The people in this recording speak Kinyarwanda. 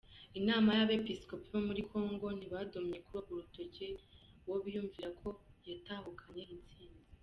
Inama y'abepisikopi bo muri Congo ntibadomyeko urutoke uwo biyumvira ko yatahukanye intsinzi.